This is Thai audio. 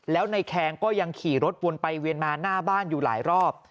แล้วในแคงก็ยังขี่รถวนไปเวียนมาหน้าบ้านอยู่หลายรอบ